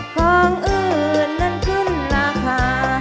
ของอื่นนั้นขึ้นราคา